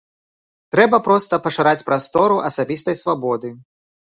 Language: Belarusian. Трэба проста пашыраць прастору асабістай свабоды.